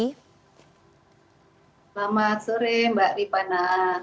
selamat sore mbak ripana